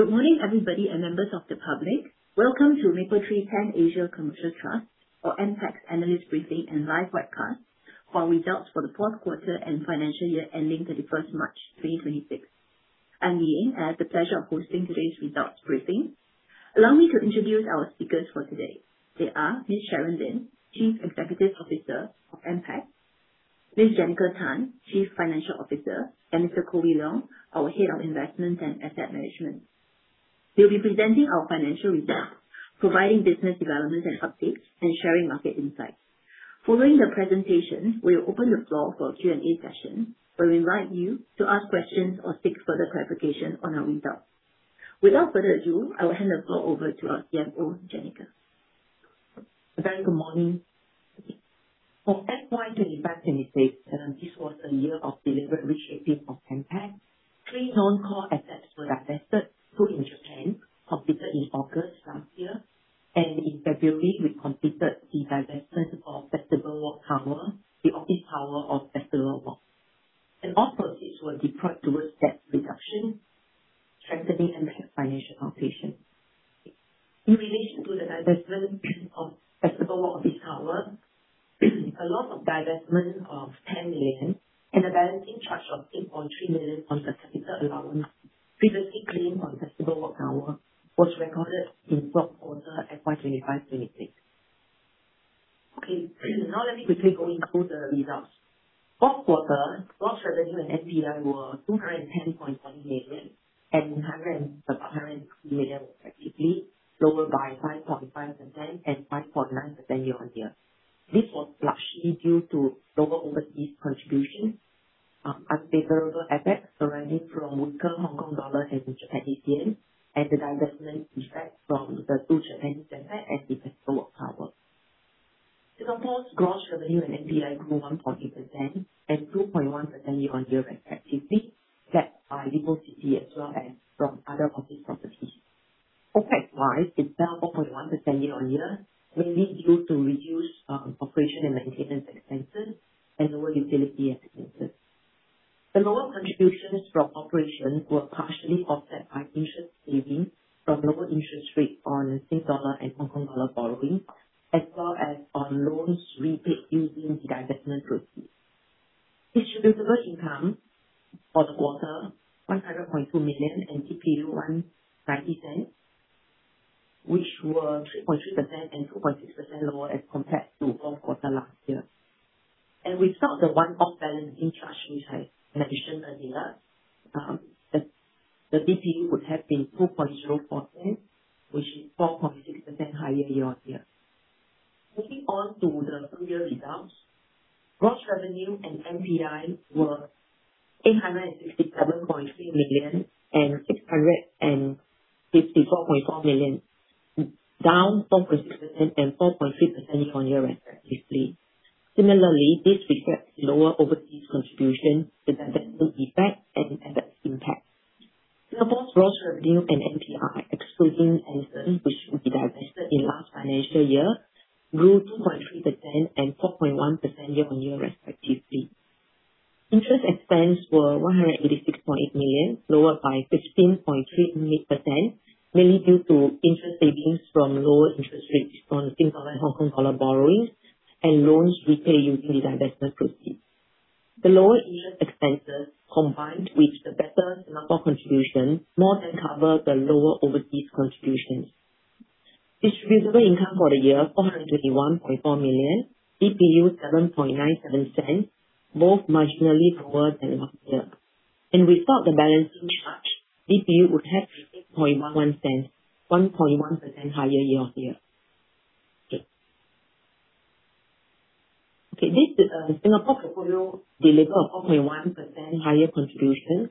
Good morning, everybody and members of the public. Welcome to Mapletree Pan Asia Commercial Trust or MPACT's analyst briefing and live webcast for our results for the fourth quarter and financial year ending 31st March 2026. I'm Li Yeng, I have the pleasure of hosting today's results briefing. Allow me to introduce our speakers for today. They are Ms. Sharon Lim, Chief Executive Officer of MPACT, Ms. Janica Tan, Chief Financial Officer, and Mr. Koh Wee Leong, our Head of Investments & Asset Management. We'll be presenting our financial results, providing business development and updates, and sharing market insights. Following the presentation, we'll open the floor for Q&A session, where we invite you to ask questions or seek further clarification on our results. Without further ado, I will hand the floor over to our CFO, Janica. A very good morning. For FY 2025, 2026, this was a year of deliberate reshaping for MPACT. Three non-core assets were divested, two in Japan completed in August 2025. In February, we completed the divestment of Festival Walk Tower, the office tower of Festival Walk. All proceeds were deployed towards debt reduction, strengthening MPACT's financial position. In relation to the divestment of Festival Walk Tower, a loss of divestment of 10 million and a balancing charge of 8.3 million on the capital allowance previously claimed on Festival Walk Tower was recorded in fourth quarter FY 2025, 2026. Okay. Now, let me quickly go into the results. Fourth quarter, gross revenue and NPI were 210.7 million and 160 million respectively, lower by 5.5% and 5.9% year-on-year. This was largely due to lower overseas contribution, unfavorable FX stemming from weaker Hong Kong dollar and Japanese yen, and the divestment effect from the two Japanese assets and the Festival Walk Tower. Singapore's gross revenue and NPI grew 1.8% and 2.1% year-on-year respectively, led by VivoCity as well as from other office properties. OPEX wise, it's down 4.1% year-on-year, mainly due to reduced operation and maintenance expenses and lower utility expenses. The lower contributions from operations were partially offset by interest savings from lower interest rates on Singapore and Hong Kong dollar borrowings, as well as on loans repaid using the divestment proceeds. Distributable income for the quarter, 100.2 million and DPU [1.90], which were 3.3% and 2.6% lower as compared to fourth quarter last year. Without the one-off balancing charge which I mentioned earlier, the DPU would have been [0.020], which is 4.6% higher year-on-year. Moving on to the full year results. Gross revenue and NPI were 867.3 million and 664.4 million, down 4.6% and 4.3% year-on-year respectively. Similarly, this reflects lower overseas contribution, divestment effect and FX impact. Singapore's gross revenue and NPI, excluding Mapletree Anson, which we divested in last financial year, grew 2.3% and 4.1% year-on-year respectively. Interest expense were 186.8 million, lower by 15.3%, mainly due to interest savings from lower interest rates from Singapore and Hong Kong dollar borrowings and loans repaid using the divestment proceeds. The lower interest expenses, combined with the better Singapore contribution, more than cover the lower overseas contributions. Distributable income for the year, 421.4 million, DPU 0.0797, both marginally lower than last year. Without the balancing charge, DPU would have been [0.0811], 1.1% higher year-on-year. This Singapore portfolio delivered a 4.1% higher contribution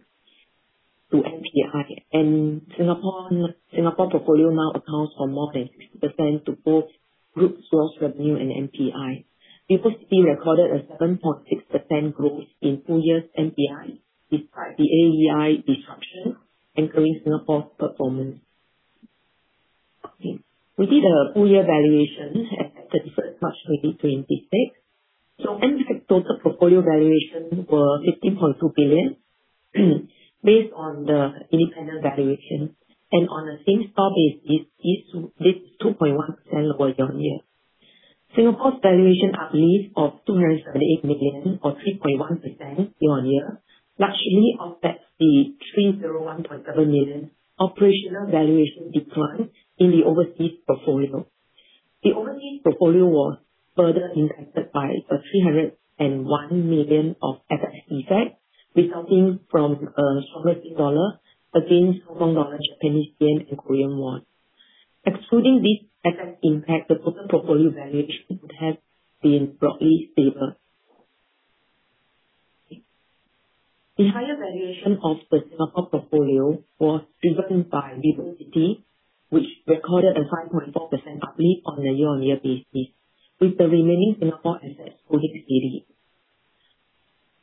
to NPI. Singapore portfolio now accounts for more than 60% to both groups gross revenue and NPI. VivoCity recorded a 7.6% growth in full year's NPI, despite the AEI disruption, anchoring Singapore's performance. We did a full year valuation at 31st March 2026. MPACT's total portfolio valuation were 15.2 billion based on the independent valuation. On a same-store basis, this is 2.1% lower year-on-year. Singapore's valuation uplift of 278 million or 3.1% year-on-year largely offsets the 301.7 million operational valuation decline in the overseas portfolio. The overseas portfolio was further impacted by a 301 million of FX effect resulting from a stronger Singapore dollar against Hong Kong dollar, Japanese yen and Korean won. Excluding this FX impact, the total portfolio valuation would have been broadly stable. The higher valuation of the Singapore portfolio was driven by VivoCity, which recorded a 5.4% uplift on a year-on-year basis, with the remaining Singapore assets holding steady.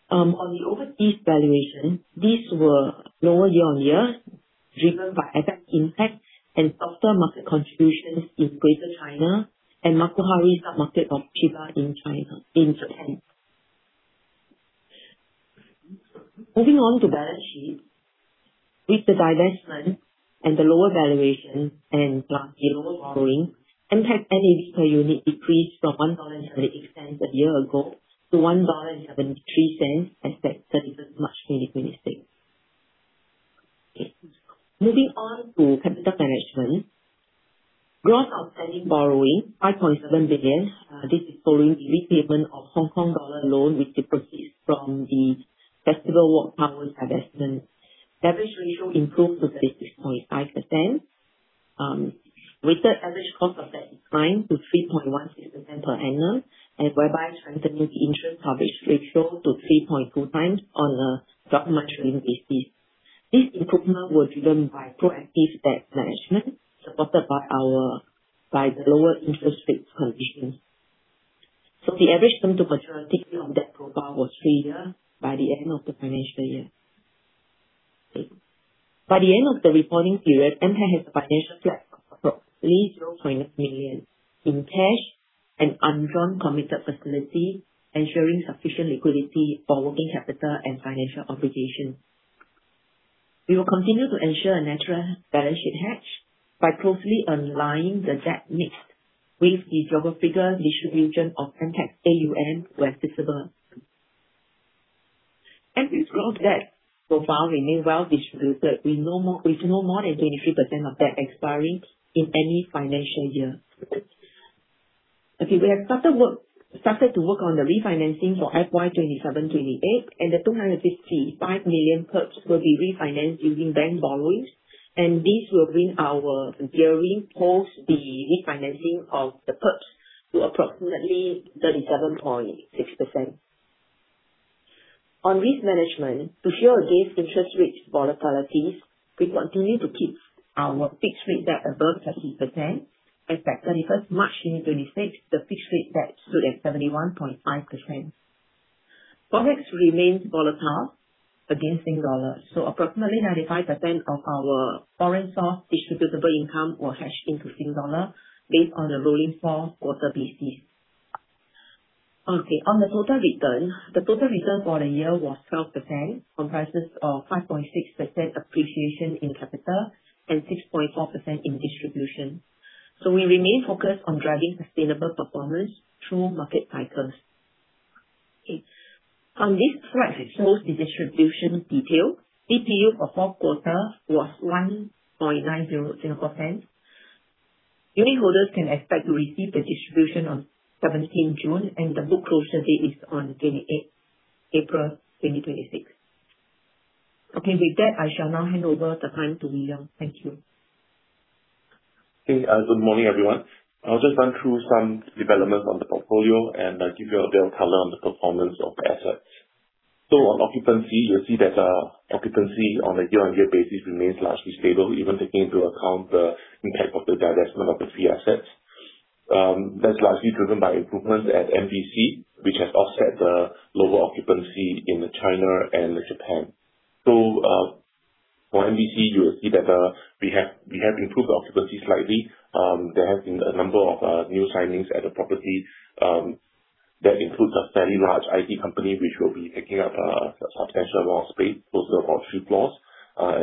On the overseas valuation, these were lower year-on-year, driven by FX impact and softer market contributions in Greater China and Makuhari submarket of Chiba in Japan. Moving on to balance sheet. With the divestment and the lower valuation and, plus the lower borrowing, MPACT NAV per unit decreased from 1.78 dollar a year ago to 1.73 dollar at 31st March 2026. Okay. Moving on to capital management. Gross outstanding borrowing, 5.7 billion. This is following the repayment of HKD loan with the proceeds from the Festival Walk Tower divestment. Leverage ratio improved to 36.5%, with the average cost of that decline to 3.16% per annum and whereby strengthening the interest coverage ratio to 3.2 times on a 12-month trailing basis. This improvement was driven by proactive debt management, supported by the lower interest rates conditions. The average time to maturity on debt profile was three years by the end of the financial year. By the end of the reporting period, MPACT has a financial flex of approximately [0.9] million in cash and undrawn committed facility, ensuring sufficient liquidity for working capital and financial obligations. We will continue to ensure a natural balance sheet hedge by closely aligning the debt mix with the geographical distribution of MPACT's AUM where feasible. MPACT's gross debt profile remain well distributed, with no more than 23% of debt expiring in any financial year. Okay, we have started to work on the refinancing for FY 2027, 2028, and the 265 million PERPS will be refinanced using bank borrowings, and this will bring our gearing post the refinancing of the PERPS to approximately 37.6%. On risk management, to shield against interest rate volatilities, we continue to keep our fixed rate debt above 30%. As at 31st March 2026, the fixed rate debt stood at 71.5%. Forex remains volatile against Sing Dollar, approximately 95% of our foreign source distributable income was hedged into Sing Dollar based on the rolling 4-quarter basis. Okay, on the total return. The total return for the year was 12%, comprises of 5.6% appreciation in capital and 6.4% in distribution. We remain focused on driving sustainable performance through market cycles. On this slide, it shows the distribution detail. DPU for fourth quarter was [0.190]. Unitholders can expect to receive the distribution on 17th June, and the book closure date is on 28th April 2026. With that, I shall now hand over the time to Koh Wee Leong. Thank you. Good morning, everyone. I'll just run through some developments on the portfolio and give you a bit of color on the performance of the assets. On occupancy, you'll see that occupancy on a year-on-year basis remains largely stable, even taking into account the impact of the divestment of the three assets. That's largely driven by improvements at MBC, which has offset the lower occupancy in the China and Japan. For MBC, you will see that we have improved occupancy slightly. There have been a number of new signings at the property, that includes a fairly large IT company, which will be taking up a substantial amount of space, close to about three floors.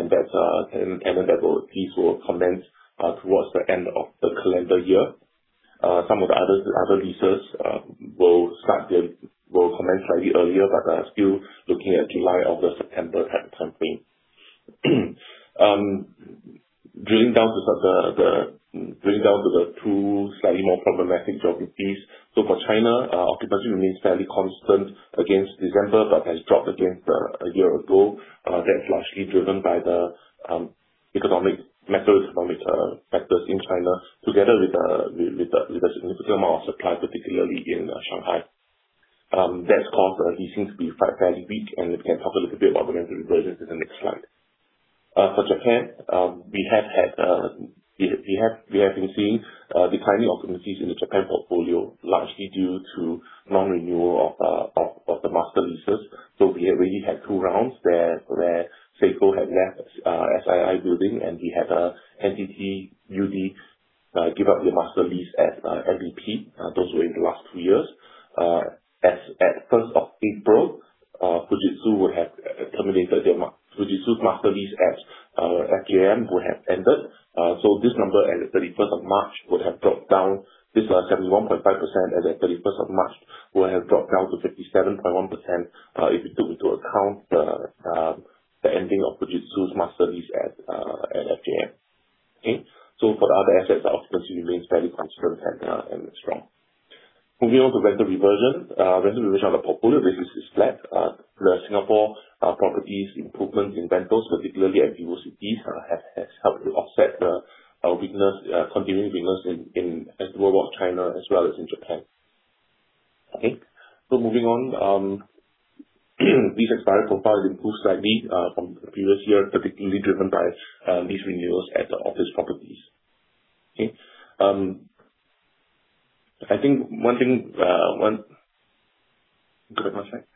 That's a tenant that lease will commence towards the end of the calendar year. Some of the other leases will commence slightly earlier but still looking at July, August, September type of timeframe. Drilling down to the two slightly more problematic geographies. For China, occupancy remains fairly constant against December but has dropped against a year ago. That's largely driven by the macro economic factors in China, together with the significant amount of supply, particularly in Shanghai. That's caused the leasing to be fairly weak, and we can talk a little bit about the rental reversions in the next slide. For Japan, we have been seeing declining occupancies in the Japan portfolio, largely due to non-renewal of the master leases. We have already had two rounds where Seiko had left SII building, and we had NTT UD give up their master lease at MBP. Those were in the last two years. As at 1st of April, Fujitsu's master lease at FJM would have ended. This number at the 31st of March would have dropped down. This 71.5% as at 31st of March would have dropped down to 57.1%, if you took into account the ending of Fujitsu's master lease at FJM. Okay? For the other assets, the occupancy remains fairly constant and strong. Moving on to rental reversion. Rental reversion on the portfolio basis is flat. The Singapore properties improvement in rentals, particularly at VivoCity has helped to offset the weakness, continuing weakness at the level of China as well as in Japan. Moving on, lease expiry profile improved slightly from the previous year, particularly driven by lease renewals at the office properties. I think one thing. Go to the next slide.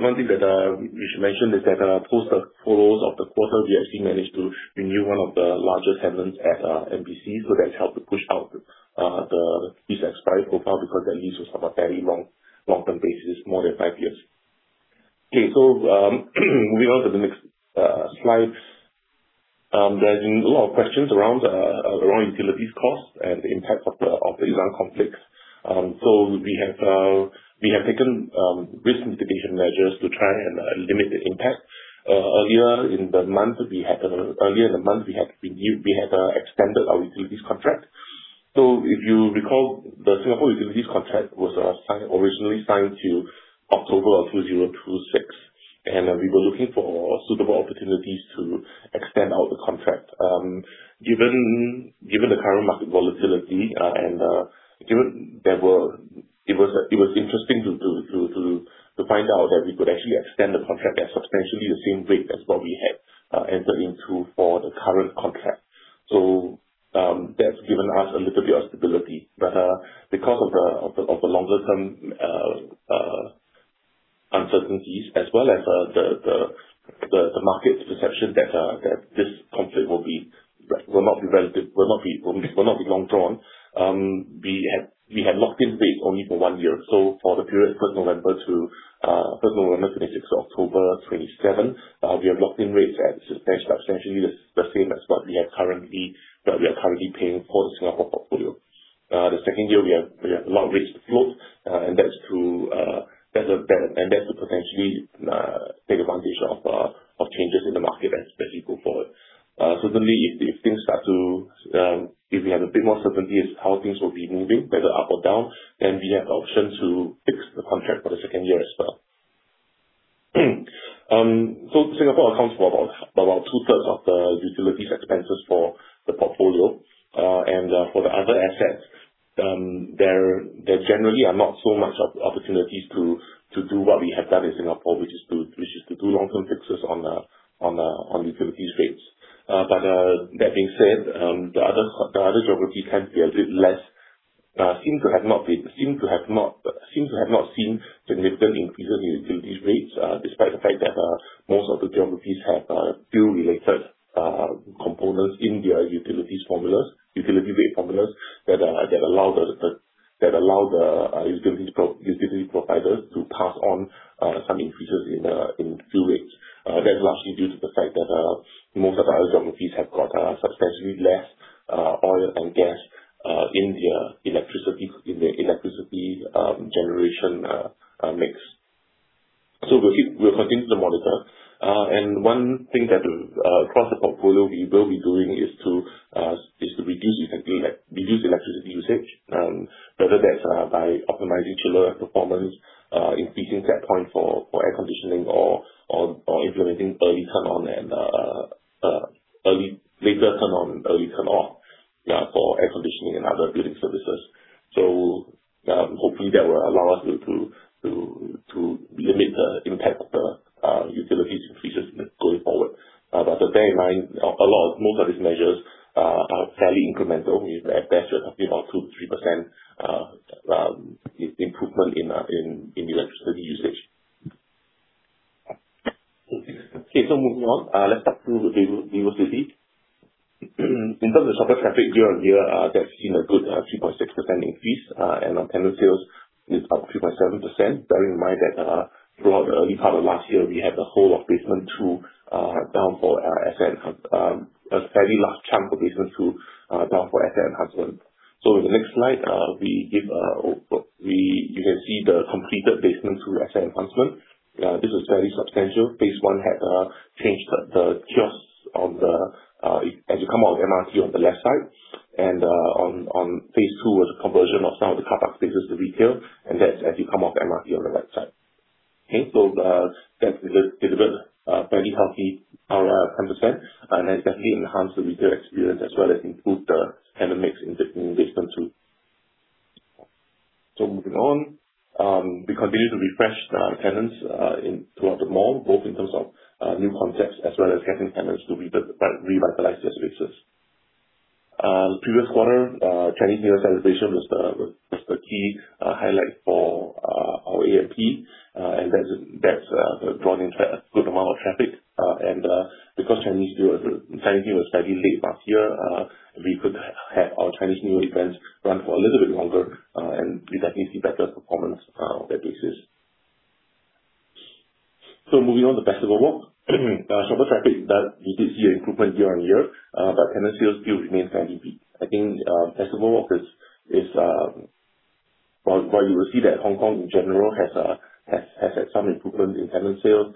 One thing that we should mention is that post the close of the quarter, we actually managed to renew one of the larger tenants at MBC. That's helped to push out the lease expiry profile because the lease was on a fairly long-term basis, more than five years. Moving on to the next slides. There's been a lot of questions around utilities costs and the impact of the Iran conflict. We have taken risk mitigation measures to try and limit the impact. Earlier in the month we had extended our utilities contract. If you recall, the Singapore utilities contract was originally signed to October of 2026, and we were looking for suitable opportunities to extend out the contract. Given the current market volatility, and given it was interesting to find out that we could actually extend the contract at substantially the same rate as what we had entered into for the current contract. That's given us a little bit of stability. Because of the longer-term uncertainties as well as the market's perception that this conflict will not be long drawn, we have locked in rate only for 1 year. For the period 1st November 2026 to October 2027, we have locked in rates at substantially the same as what we have currently, that we are currently paying for the Singapore portfolio. The second year we have locked rates float, and that's to potentially take advantage of changes in the market as they go forward. Certainly if things start to, if we have a bit more certainty as how things will be moving, whether up or down, then we have the option to fix the contract for the second year as well. Singapore accounts for about two-thirds of the utilities expenses for the portfolio. For the other assets, there generally are not so much opportunities to do what we have done in Singapore, which is to do long-term fixes on utilities rates. That being said, the other geographies tend to be a bit less, seem to have not seen significant increases in utilities rates, despite the fact that most of the geographies have fuel-related components in their utilities formulas, utility rate formulas that allow the utility providers to pass on some increases in fuel rates. That's largely due to the fact that most of the other geographies have got substantially less oil and gas in their electricity generation mix. We'll continue to monitor. One thing that, across the portfolio we will be doing is to reduce effectively, like, reduce electricity usage, whether that's by optimizing chiller performance, increasing set point for air conditioning or implementing later turn on and early turn off, yeah, for air conditioning and other building services. Hopefully that will allow us to limit the impact of the utilities increases going forward. Bear in mind, most of these measures are fairly incremental. We expect just something like 2%-3% improvement in electricity usage. Okay. Moving on. Let's talk through VivoCity. In terms of shopper traffic year on year, they've seen a good 3.6% increase, and our tenant sales is up 3.7%. Bear in mind that, throughout the early part of last year, a fairly large chunk of basement 2 down for asset enhancement. In the next slide, you can see the completed basement 2 asset enhancement. This was very substantial. Phase 1 had changed the kiosks on the, as you come out of MRT on the left side. On phase 2 was a conversion of some of the car park spaces to retail, and that's as you come off the MRT on the right side. Okay. That delivered a fairly healthy ROI of 10% and has definitely enhanced the retail experience as well as improved the tenant mix in the new basement 2. Moving on, we continue to refresh the tenants throughout the mall, both in terms of new concepts as well as getting tenants to revitalize their spaces. Previous quarter, Chinese New Year celebration was the key highlight for our A&P. That's drawn in quite a good amount of traffic. Because Chinese New Year was slightly late last year, we could have our Chinese New Year events run for a little bit longer, and we definitely see better performance on that basis. Moving on to Festival Walk. Shopper traffic, that we did see an improvement year-on-year, but tenant sales still remain fairly weak. I think Festival Walk is, while you will see that Hong Kong in general has had some improvement in tenant sales,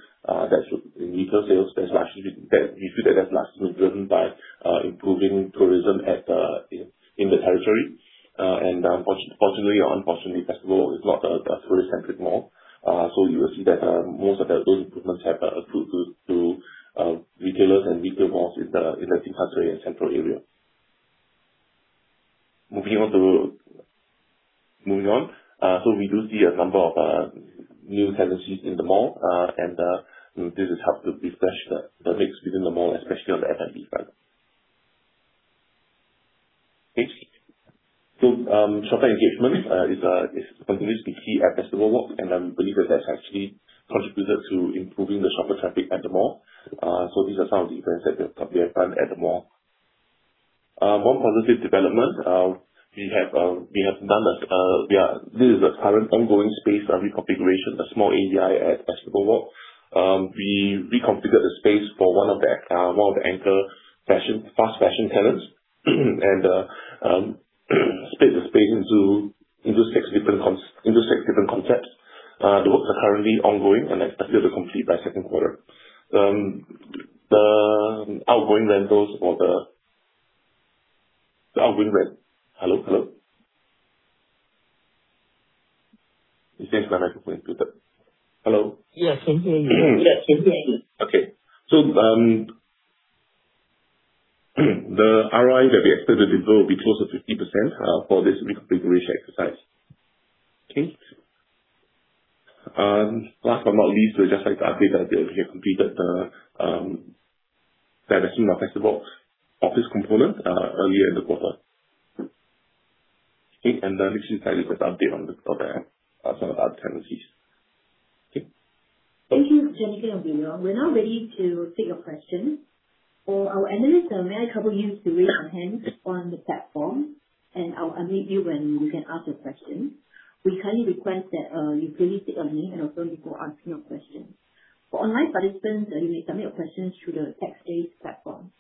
in retail sales, that's largely been, we feel that that's largely been driven by improving tourism at in the territory. Fortunately or unfortunately, Festival Walk is not a tourist-centric mall. You will see that those improvements have accrued to retailers and retail malls in the Tsim Sha Tsui and Central area. Moving on. We do see a number of new tenancies in the mall, and this has helped to refresh the mix within the mall, especially on the F&B side. Okay. Shopper engagement is continuously key at Festival Walk, and I believe that that's actually contributed to improving the shopper traffic at the mall. These are some of the events that we have probably run at the mall. One positive development, we have done, this is a current ongoing space reconfiguration, a small AEI at Festival Walk. We reconfigured the space for one of the anchor fashion, fast-fashion tenants and split the space into six different concepts. The works are currently ongoing, and expect it to complete by second quarter. The outgoing rentals for the, the outgoing rent. Hello? Hello? It seems like my microphone is muted. Hello? Yes, I'm hearing you. Okay. The ROI that we expected to deliver will be close to 50% for this reconfiguration exercise. Okay. Last but not least, we'd just like to update that we have completed the restroom of Festival office component earlier in the quarter. Okay. Next in slide is just update on the program as of our tenancies. Okay. Thank you, Janica Tan and Koh Wee Leong. We're now ready to take your questions. For our analysts, I may couple you to raise your hand on the platform, and I'll unmute you when you can ask your question. We kindly request that you please state your name and affiliation before asking your question. For online participants, you may submit your questions through the text Q&A platform.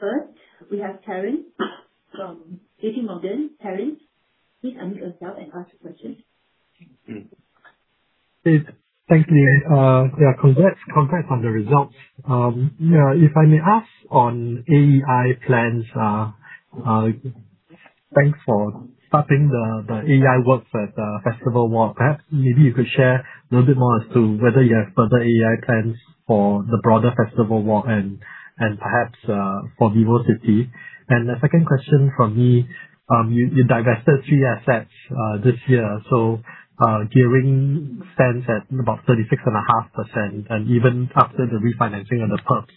First, we have Terence from JPMorgan. Terence, please unmute yourself and ask your question. Yes. Thank you. Congrats on the results. If I may ask on AEI plans, thanks for starting the AEI work at Festival Walk. Perhaps maybe you could share a little bit more as to whether you have further AEI plans for the broader Festival Walk and perhaps for VivoCity. The second question from me, you divested three assets this year. Gearing stands at about 36.5%. Even after the refinancing on the PERPS,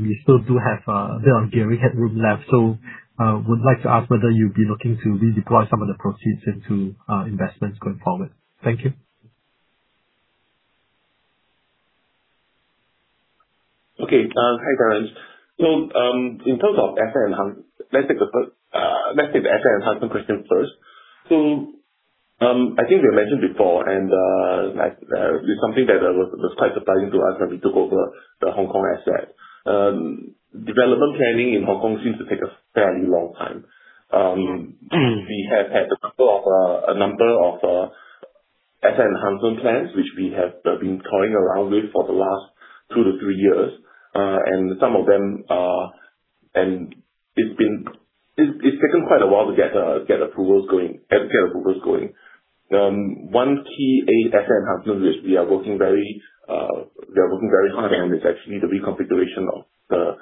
you still do have a bit of gearing headroom left. I would like to ask whether you'll be looking to redeploy some of the proceeds into investments going forward. Thank you. Hi, Terence. In terms of asset enhancement, let's take the asset enhancement question first. I think we mentioned before, it's something that was quite surprising to us when we took over the Hong Kong asset. Development planning in Hong Kong seems to take a fairly long time. We have had a couple of, a number of asset enhancement plans, which we have been toying around with for the last 2 to 3 years. Some of them, it's taken quite a while to get approvals going. One key asset enhancement, which we are working very hard on, is actually the reconfiguration of the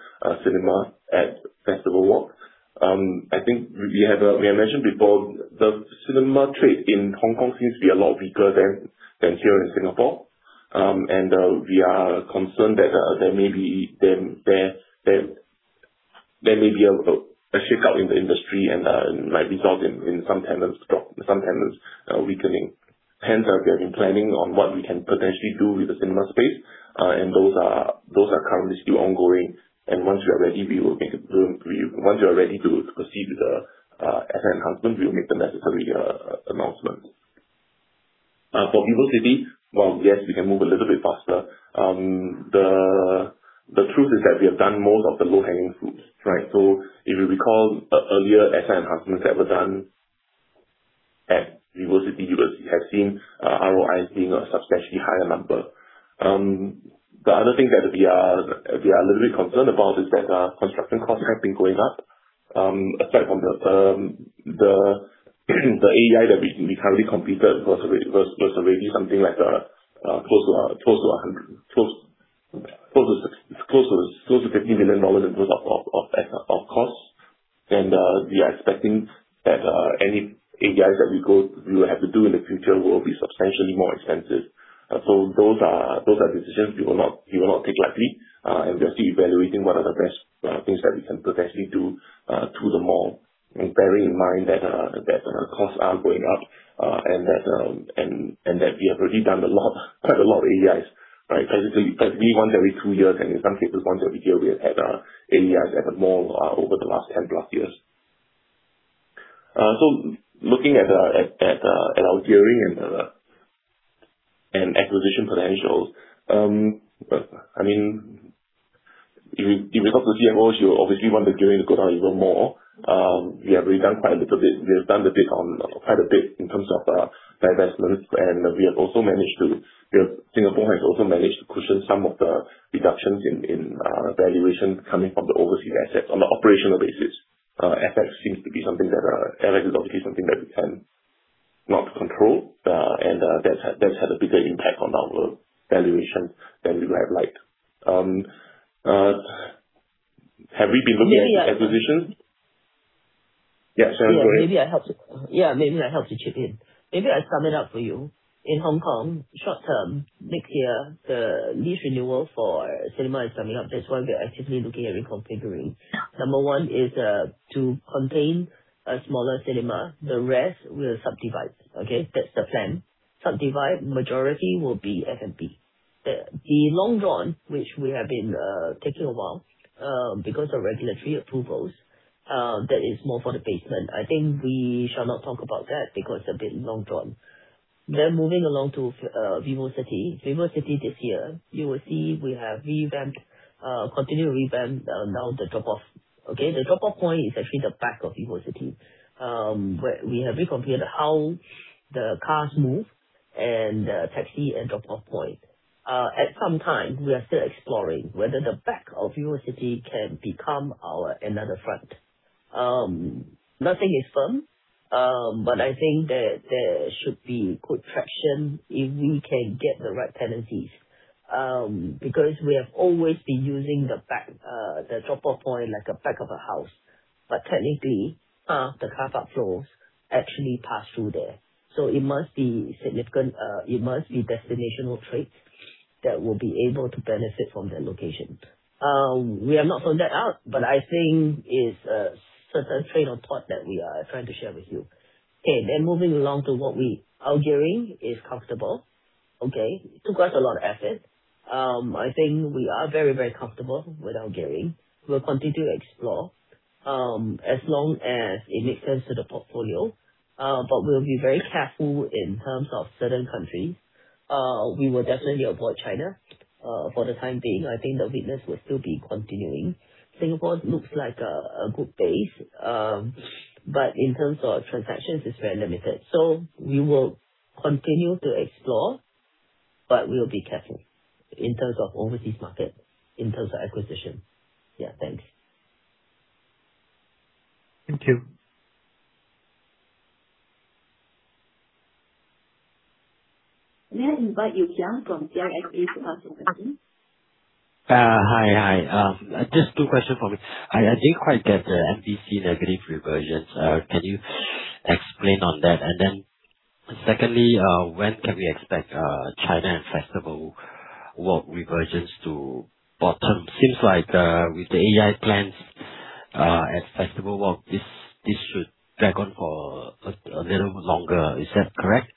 cinema at Festival Walk. I think we have mentioned before, the cinema trade in Hong Kong seems to be a lot weaker than here in Singapore. And we are concerned that there may be a shakeup in the industry and might result in some tenants weakening. Hence, we have been planning on what we can potentially do with the cinema space, and those are currently still ongoing. Once we are ready, we will make a room for you. Once we are ready to proceed with the asset enhancement, we will make the necessary announcement. For VivoCity, well, yes, we can move a little bit faster. The truth is that we have done most of the low-hanging fruits, right? If you recall, earlier asset enhancements that were done at VivoCity, you would have seen ROIs being a substantially higher number. The other thing that we are a little bit concerned about is that construction costs have been going up, aside from the AEI that we currently completed was already something like close to SGD 50 million in terms of costs. We are expecting that any AEIs that we will have to do in the future will be substantially more expensive. Those are decisions we will not take lightly. We are still evaluating what are the best things that we can potentially do to the mall. Bearing in mind that costs are going up, and that we have already done a lot, quite a lot of AEIs, right? Basically once every 2 years, and in some cases once every year, we have had AEIs at the mall over the last 10+ years. Looking at our gearing and acquisition potentials, I mean, if you talk to CFO, she will obviously want the gearing to go down even more. We have already done quite a little bit. We have done a bit on, quite a bit in terms of divestments. Singapore has also managed to cushion some of the reductions in valuation coming from the overseas assets on an operational basis. FX seems to be something that, FX is obviously something that we can not control. That's had a bigger impact on our valuation than we would have liked. Have we been looking at acquisitions? Maybe I can- Yeah, Sharon, go ahead. Maybe I help to chip in. Maybe I sum it up for you. In Hong Kong, short term, next year, the lease renewal for cinema is coming up. That's why we are actively looking at reconfiguring. Number one is to contain a smaller cinema. The rest we'll subdivide. Okay. That's the plan. Subdivide, majority will be F&B. The long run, which we have been taking a while, because of regulatory approvals, that is more for the basement. I think we shall not talk about that because a bit long drawn. Moving along to VivoCity. VivoCity this year, you will see we have revamped, continually revamped, now the drop-off, okay. The drop-off point is actually the back of VivoCity. Where we have reconfigured how the cars move and taxi and drop-off point. At some time, we are still exploring whether the back of VivoCity can become our another front. Nothing is firm, but I think that there should be good traction if we can get the right tenancies. Because we have always been using the back, the drop-off point like a back of a house. But technically, the car park flows actually pass through there, so it must be significant. It must be destinational trades that will be able to benefit from that location. We have not found that out, but I think it's a certain train of thought that we are trying to share with you. Okay. Moving along to what we -- our gearing is comfortable. Okay. It took us a lot of effort. I think we are very, very comfortable with our gearing. We'll continue to explore, as long as it makes sense to the portfolio. We'll be very careful in terms of certain countries. We will definitely avoid China for the time being. I think the weakness will still be continuing. Singapore looks like a good base. In terms of transactions, it's very limited. We will continue to explore. We'll be careful in terms of overseas market, in terms of acquisition. Yeah. Thanks. Thank you. May I invite Yew Kiang from CLSA to ask a question. Hi. Hi. Just two questions for me. I didn't quite get the MBC negative reversions. Can you explain on that? Secondly, when can we expect China and Festival Walk reversions to bottom? Seems like, with the AEI plans, at Festival Walk, this should drag on for a little longer. Is that correct?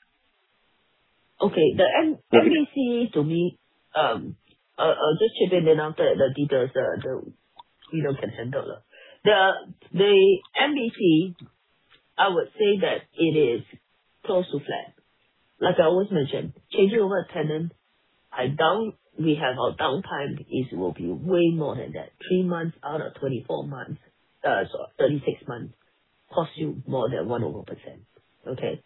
Okay. The MBC to me, I'll just chip in and after the details, the Wee Leong can handle. The MBC, I would say that it is close to flat. Like I always mentioned, changing over a tenant, We have our downtime is, will be way more than that. Three months out of 24 months, 36 months costs you more than [10]%. Okay.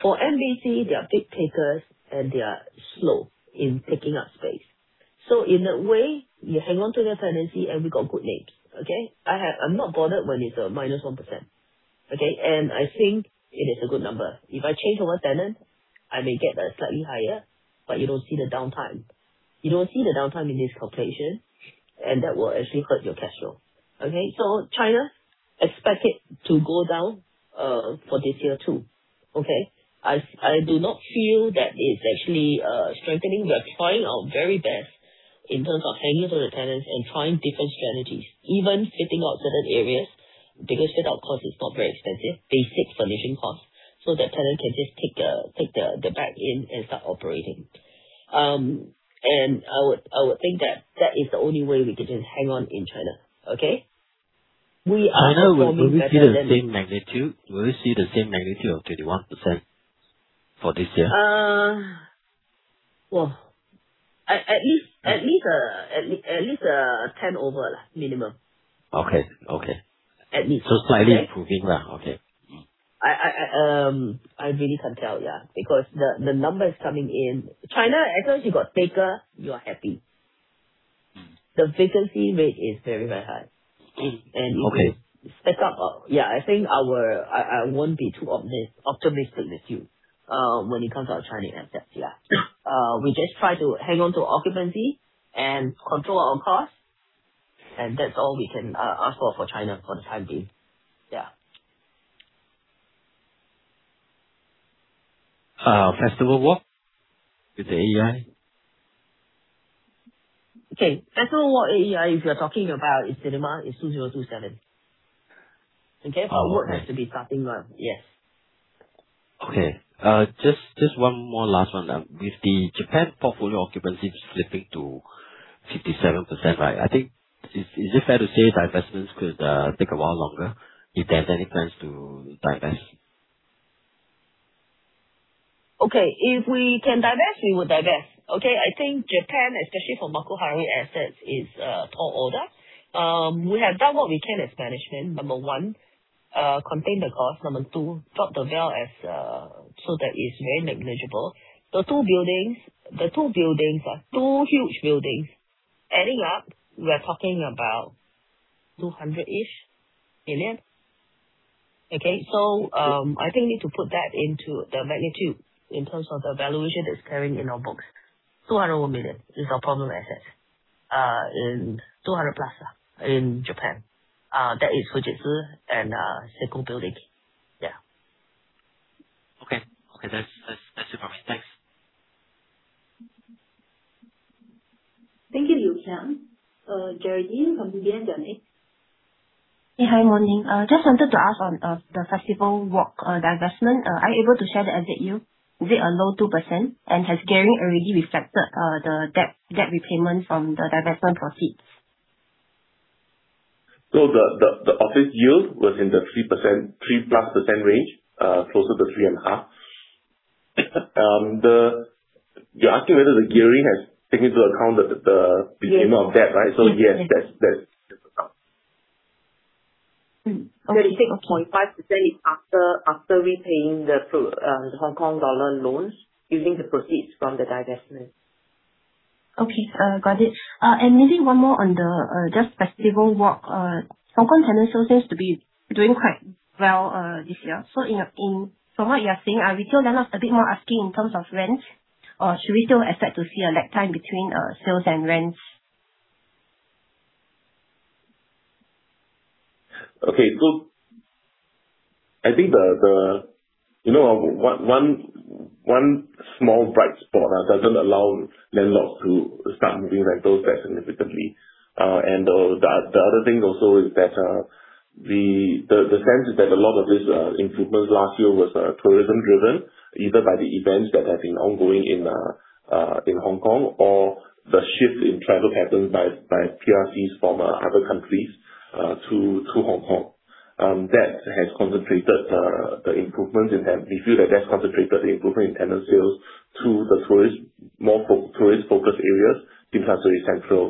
For MBC, they are big takers, and they are slow in taking up space. In a way, you hang on to your tenancy and we got good names. Okay. I'm not bothered when it's a -1%. Okay. I think it is a good number. If I change over tenant, I may get a slightly higher, but you don't see the downtime. You don't see the downtime in this calculation, and that will actually hurt your cash flow. Okay? China expect it to go down for this year too. Okay? I do not feel that it's actually strengthening. We are trying our very best in terms of hanging on to the tenants and trying different strategies, even fitting out certain areas because fit-out cost is not very expensive, basic furnishing costs, so that tenant can just take the back end and start operating. I would think that that is the only way we can just hang on in China. Okay? We are performing better. China, will we see the same magnitude of 31% for this year? Whoa. At least 10 over minimum. Okay. Okay. At least. Slightly improving. Okay. I really can't tell. Yeah. The numbers coming in China, as long as you got taker, you are happy. The vacancy rate is very, very high. Okay. I think I won't be too optimistic with you when it comes to our China assets. We just try to hang on to occupancy and control our own costs, and that's all we can ask for for China for the time being. Festival Walk with the AEI? Okay. Festival Walk AEI, if you're talking about its cinema, it's 2027. Okay. Oh, okay. Our work has to be starting run. Yes. Okay. Just one more last one. With the Japan portfolio occupancy slipping to 57%, right, I think is it fair to say divestments could take a while longer? If there are any plans to divest. Okay. If we can divest, we will divest. Okay. I think Japan, especially for Makuhari assets, is a tall order. We have done what we can as management. Number one, contain the cost. Number two, drop the bill as so that it's very negligible. The two buildings are two huge buildings. Adding up, we are talking about 200-ish million. Okay. I think we need to put that into the magnitude in terms of the valuation that's carrying in our books. 200 million is our problem assets, in 200 plus, in Japan. That is Fujitsu and Seiko Building. Yeah. Okay. That's it from me. Thanks. Thank you, Yew Kiang. Geraldine from DBS Bank Yeah, hi, morning. Just wanted to ask on the Festival Walk divestment. Are you able to share the exit yield? Is it a low 2%? Has gearing already reflected the debt repayment from the divestment proceeds? The office yield was in the 3%, 3%-plus range, closer to 3.5%. You're asking whether the gearing has taken into account. Yes amount of debt, right? Yes. Yes. Yes, that's account. Okay. 36.5% after repaying the Hong Kong dollar loans using the proceeds from the divestment. Okay. Got it. Maybe one more on the just Festival Walk. Hong Kong tenant sales seems to be doing quite well this year. From what you are saying, are retail landlords a bit more asking in terms of rents, or should we still expect to see a lag time between sales and rents? Okay. I think the, you know, one small bright spot doesn't allow landlords to start moving rentals that significantly. The other things also that the sense is that a lot of this improvements last year was tourism driven, either by the events that have been ongoing in Hong Kong or the shift in travel patterns by PRCs from other countries through Hong Kong. That has concentrated the improvements. We feel that that's concentrated the improvement in tenant sales to the tourist, more tourist focused areas, Tsim Sha Tsui Central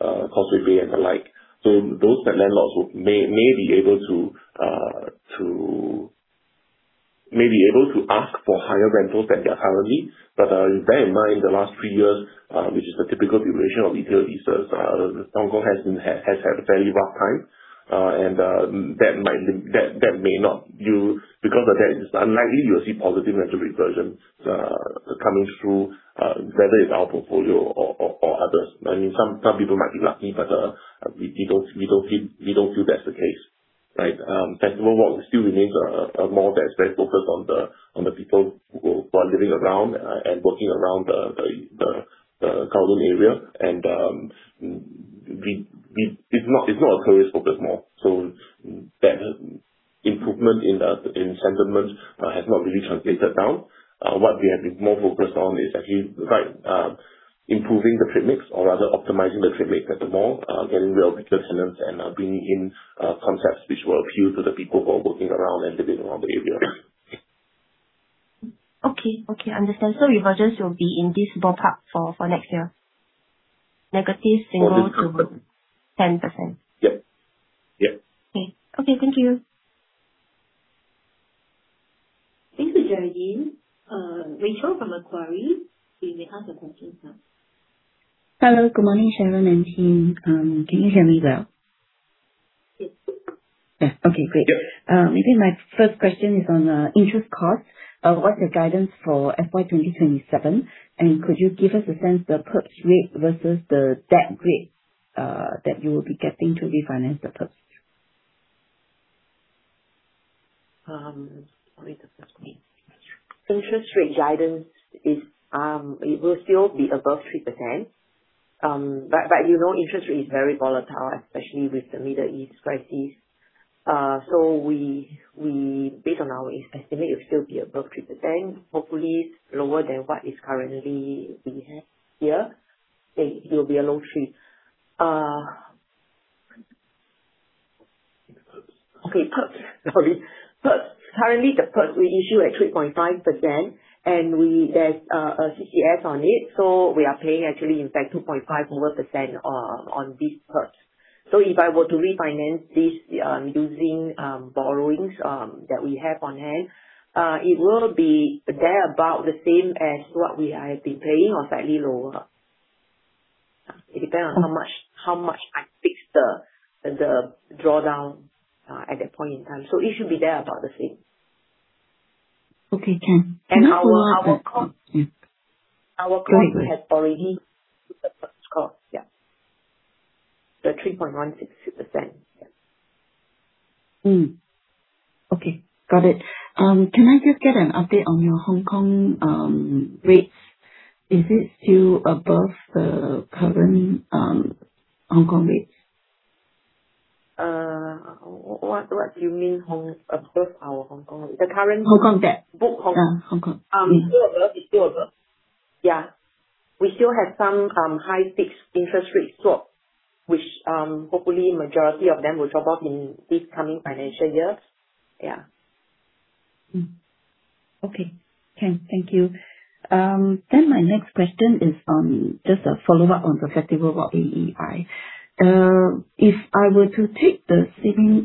and Causeway Bay and the like. Those that landlords may be able to ask for higher rentals than they are currently. Bear in mind, the last three years, which is the typical duration of retail leases, Hong Kong has had a very rough time. That may not yield. Because of that, it's unlikely you'll see positive rental reversions coming through, whether it's our portfolio or others. Some people might be lucky, but we don't feel that's the case, right? Festival Walk still remains a mall that is very focused on the people who are living around and working around the Kowloon area, and it's not a tourist-focused mall. That improvement in the sentiment has not really translated down. What we have been more focused on is actually, right, improving the trade mix or rather optimizing the trade mix at the mall, getting rid of weaker tenants and bringing in concepts which will appeal to the people who are working around and living around the area. Okay. Okay, understood. Reversions will be in this ballpark for next year? Negative single to 10%. Yep. Yep. Okay. Okay, thank you. Thank you, Geraldine. Rachel from Macquarie, you may ask your questions now. Hello, good morning, Sharon and team. Can you hear me well? Yes. Yeah. Okay, great. Yep. Maybe my first question is on interest cost. What's your guidance for FY 2027? Could you give us a sense the PERPS rate versus the debt rate that you will be getting to refinance the PERPS? Interest rate guidance is, it will still be above 3%. You know, interest rate is very volatile, especially with the Middle East crisis. We, based on our estimate, it will still be above 3%, hopefully lower than what is currently we have here. It'll be a low 3. Okay, PERPS. Sorry. PERPS. Currently, the PERPS we issue at 3.5%, there's a CCS on it, so we are paying actually in fact, 2.5% on these PERPS. If I were to refinance this using borrowings that we have on hand, it will be thereabout the same as what we have been paying or slightly lower. It depends on how much I fix the drawdown at that point in time. It should be thereabout the same. Okay. Our cost has already hit the PERPS cost. Yeah. The 3.16%. Yeah. Okay. Got it. Can I just get an update on your Hong Kong rates? Is it still above the current Hong Kong rates? What do you mean above our Hong Kong rates? The current -- Hong Kong debt. Yeah, Hong Kong. Mm. Yes, we still have some high fixed interest rates swap, which hopefully majority of them will drop off in this coming financial year. Okay. Thank you. My next question is on just a follow-up on the Festival Walk AEI. If you were to take out the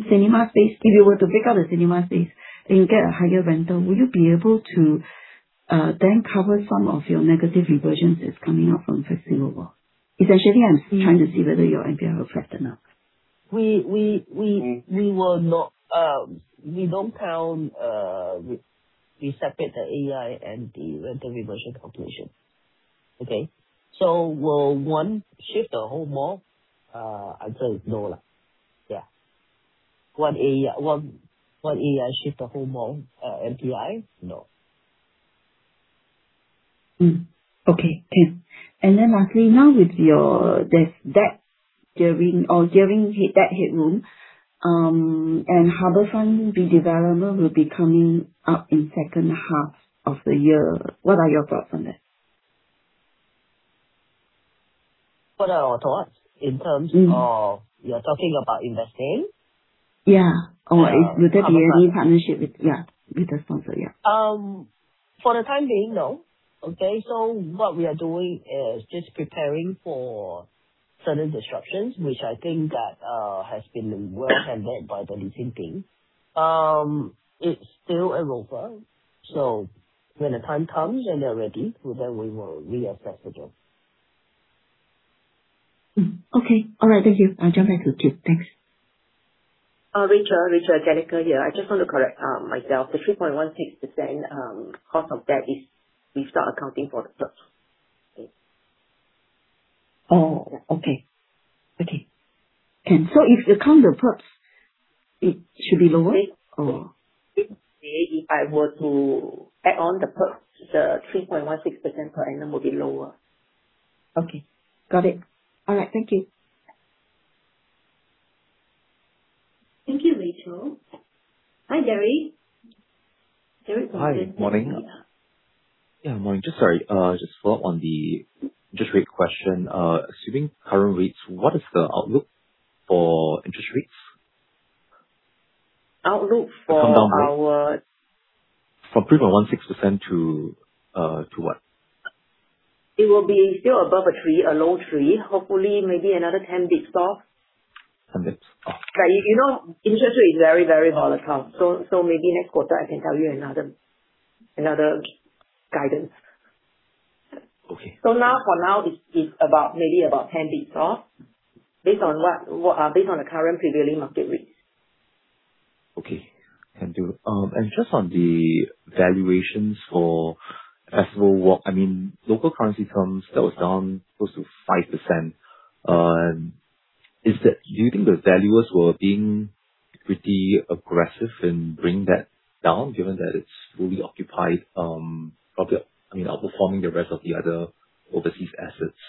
cinema space and get a higher rental, will you be able to then cover some of your negative reversions that's coming up from Festival Walk? Essentially, I'm trying to see whether your NPI will flatten out. We will not. We don't count, we separate the AEI and the rental reversion calculation. Okay? Will one shift the whole mall? I'd say no. Yeah. One AEI shift the whole mall NPI? No. Okay, lastly, now with your debt during or gearing that headroom, and HarbourFront redevelopment will be coming up in second half of the year. What are your thoughts on that? What are our thoughts in terms of. You are talking about investing? Yeah. Would that be any partnership with Yeah, with the sponsor, yeah. For the time being, no. Okay. What we are doing is just preparing for certain disruptions, which I think that has been well handled by the team. It's still a ROFR. When the time comes and they're ready, we will reassess the deal. Okay. All right, thank you. I'll jump back to Kate. Thanks. Rachel. Rachel, Janica here. I just want to correct myself. The 3.16% cost of debt is without accounting for the PERPS. Oh, okay. Okay. If you count the PERPS, it should be lower or? If I were to add on the PERPS, the 3.16% per annum will be lower. Okay. Got it. All right, thank you. Thank you, Rachel. Hi, Derek. Hi. Morning. Yeah. Yeah. Morning. Just sorry. Just follow up on the interest rate question, assuming current rates, what is the outlook for interest rates? Outlook for our- From 3.16% to what? It will be still above a three, a low three, hopefully maybe another 10 bits off. 10 bits off. You know, interest rate is very, very volatile. Maybe next quarter I can tell you another guidance. Okay. Now, for now it's about maybe about 10 bits off based on what, based on the current prevailing market rates. Okay. Can do. Just on the valuations for Festival Walk, I mean, local currency terms that was down close to 5%. Do you think the valuers were being pretty aggressive in bringing that down, given that it's fully occupied, I mean, outperforming the rest of the other overseas assets?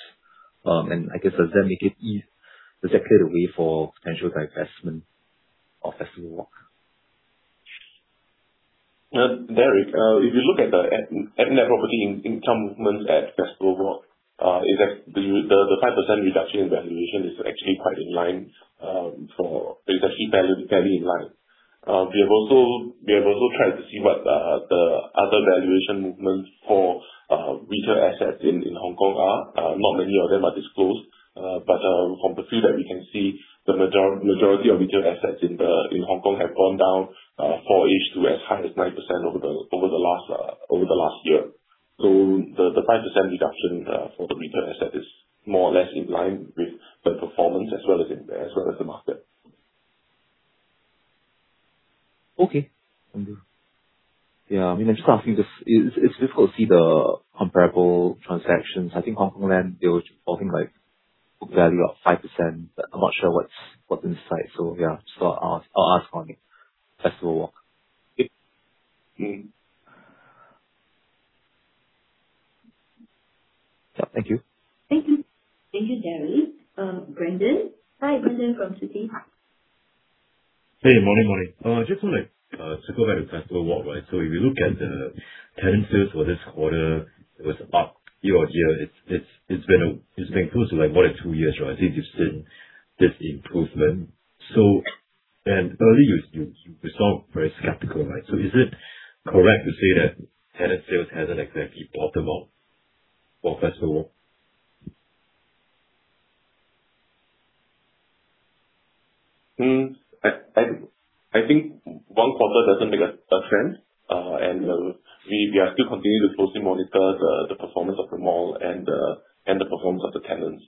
I guess, does that clear the way for potential divestment of Festival Walk? Derek, if you look at net property income movement at Festival Walk, is that the 5% reduction in valuation is actually quite in line. It's actually fairly in line. We have also tried to see what the other valuation movements for retail assets in Hong Kong are. Not many of them are disclosed, but from the few that we can see, the majority of retail assets in Hong Kong have gone down 4-ish to as high as 9% over the last year. The 5% reduction for the retail asset is more or less in line with the performance as well as the market. Okay. Understood. Yeah. I mean, I'm just asking this. It, it's difficult to see the comparable transactions. I think Hongkong Land, they were talking like book value of 5%, but I'm not sure what's inside. Yeah, so I'll ask on it. Festival Walk. Yeah. Yeah. Thank you. Thank you. Thank you, Derek. Brandon. Hi, Brandon from Citi. Hey. Morning, morning. Just wanted to go ahead with Festival Walk, right? If you look at the tenancies for this quarter, it was up year-over-year. It's been close to like one or two years, right, since you've seen this improvement. Earlier you sound very skeptical, right? Is it correct to say that tenant sales hasn't exactly bottomed out for Festival Walk? I think one quarter doesn't make a trend. We are still continuing to closely monitor the performance of the mall and the performance of the tenants.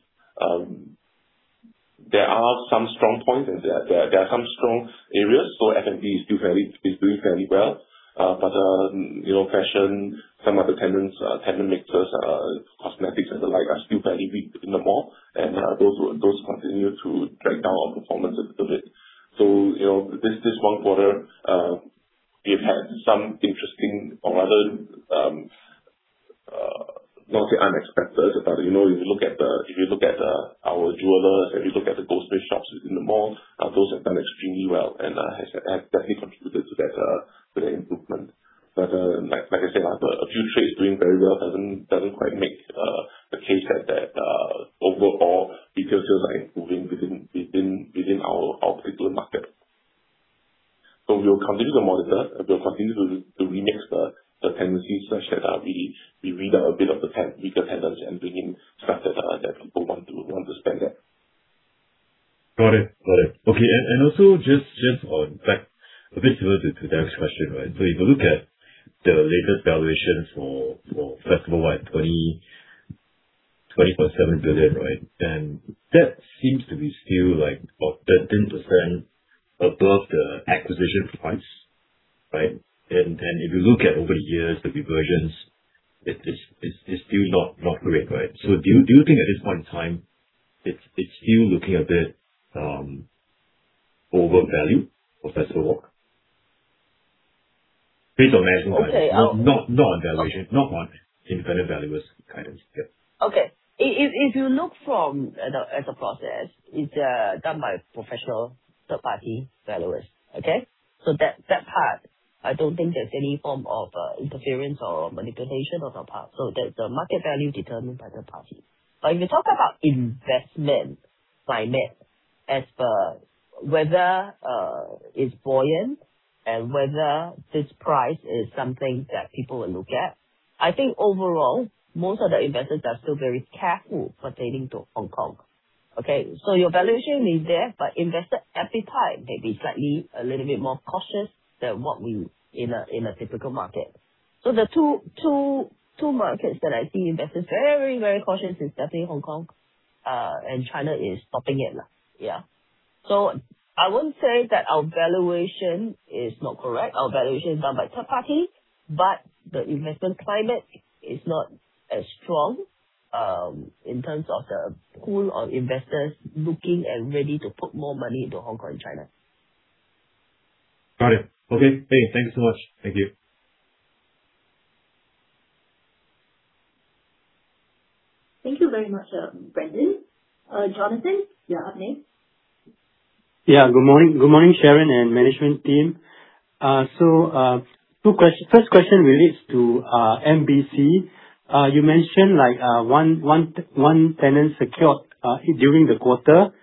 There are some strong points and there are some strong areas. F&B is doing fairly well. You know, fashion, some of the tenants, tenant mixes, cosmetics and the like are still fairly weak in the mall. Those continue to drag down our performance a little bit. You know, this one quarter, we've had some interesting or other, not to say unexpected, but, you know, if you look at the, if you look at our jewelers, if you look at the gold fish shops in the mall, those have done extremely well and has definitely contributed to that improvement. Like I said, a few trades doing very well doesn't quite make the case that overall retail sales are improving within our particular market. We will continue to monitor. We'll continue to remix the tenancy such that we weed out a bit of the weaker tenants and bring in stuff that people want to spend at. Got it. Got it. Okay. Also just on back a bit similar to Derek's question, right? If you look at the latest valuations for Festival Walk, 20.7 billion, right? That seems to be still like about 13% above the acquisition price, right? If you look at over the years, the reversions, it's still not great, right? Do you think at this point in time it's still looking a bit overvalued for Festival Walk? Based on notional price. Okay. Not on valuation, not on independent valuer's guidance. Yeah. Okay. If you look at the process, it's done by professional third-party valuers. Okay. That part, I don't think there's any form of interference or manipulation on our part. That's the market value determined by third party. If you talk about investment climate as per whether it's buoyant and whether this price is something that people will look at, I think overall, most of the investors are still very careful pertaining to Hong Kong. Okay. Your valuation is there, but investor appetite may be slightly a little bit more cautious than what we in a typical market. The two markets that I think investors very cautious is definitely Hong Kong and China is topping it. Yeah. I wouldn't say that our valuation is not correct. Our valuation is done by third party, but the investment climate is not as strong, in terms of the pool of investors looking and ready to put more money into Hong Kong and China. Got it. Okay. Hey, thank you so much. Thank you. Thank you very much, Brandon. Jonathan, you're up next. Yeah, good morning. Good morning, Sharon and management team. First question relates to MBC. You mentioned line one tenant secured during the quarter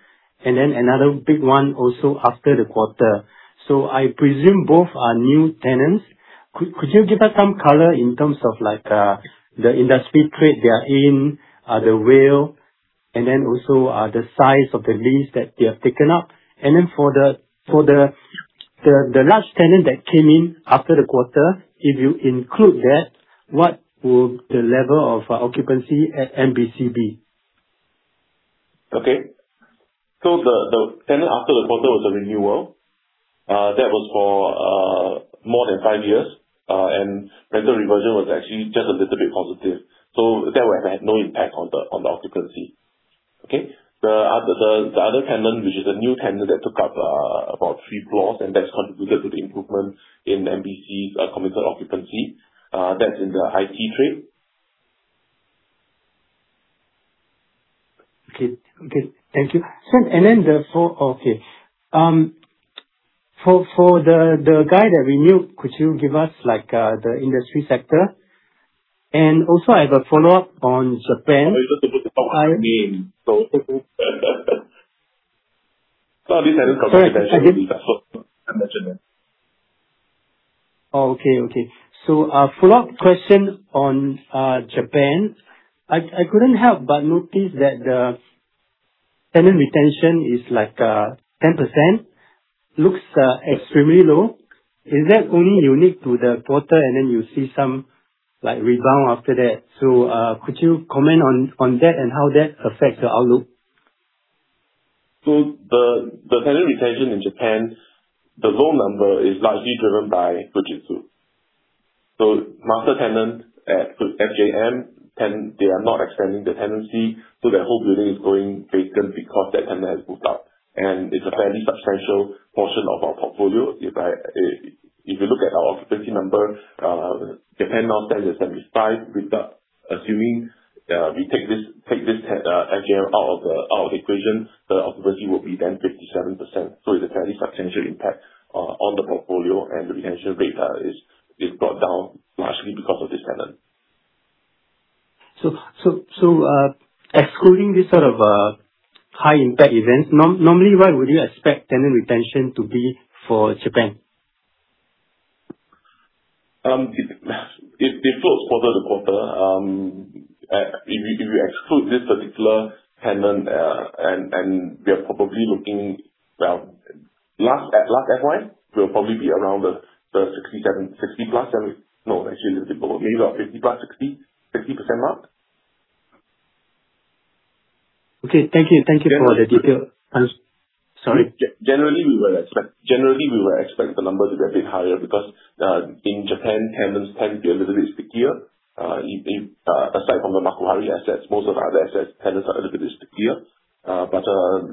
and then another big one also after the quarter. I presume both are new tenants. Could you give us some color in terms of the industry trade they are in, and then also the size of the lease that they have taken up? For the large tenant that came in after the quarter, if you include that, what would the level of occupancy at MBC be? Okay. The tenant after the quarter was a renewal. That was for more than 5 years. Rental reversion was actually just a little bit positive. That would have had no impact on the occupancy. Okay? The other tenant, which is a new tenant that took up about 3 floors and that's contributed to the improvement in MBC's committed occupancy, that's in the IT trade. Okay. Okay. Thank you. For the guy that renewed, could you give us like the industry sector? Also I have a follow-up on Japan. We're not able to talk on name, so. Okay. This hasn't contributed to our.. Okay. Okay. A follow-up question on Japan. I couldn't help but notice that the tenant retention is like 10%. Looks extremely low. Is that only unique to the quarter and then you see some, like, rebound after that? Could you comment on that and how that affects your outlook? The tenant retention in Japan, the low number is largely driven by Fujitsu. Master tenant at FJM, they are not extending the tenancy, so that whole building is going vacant because that tenant has moved out. It's a fairly substantial portion of our portfolio. If you look at our occupancy number, Japan now stands at 75%. With that, assuming, we take this FJM out of the equation, the occupancy will be then 57%. It's a fairly substantial impact on the portfolio and the retention rate is brought down largely because of this tenant. Excluding this sort of, high impact event, normally what would you expect tenant retention to be for Japan? It floats quarter to quarter. If you exclude this particular tenant, and we are probably looking, well, last, at last FY, we'll probably be around the 60+. No, actually, it's below. Maybe about 50% plus 60% mark. Okay. Thank you. Thank you for the detail. Yeah. I was sorry. Generally, we will expect the number to be a bit higher because in Japan, tenants tend to be a little bit stickier. Aside from the Makuhari assets, most of our other assets, tenants are a little bit stickier. But